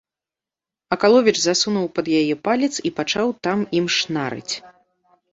Акаловіч засунуў пад яе палец і пачаў там ім шнарыць.